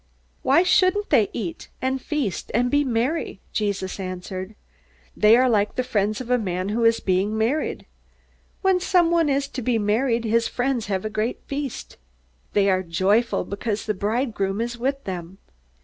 "Why shouldn't they eat and feast and be merry?" Jesus answered. "They are like the friends of a man who is being married. When someone is to be married, his friends have a great feast. They are joyful because the bridegroom is with them.